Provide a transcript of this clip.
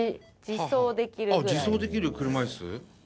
自走できる車椅子？